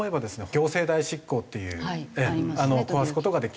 行政代執行っていう壊す事ができる。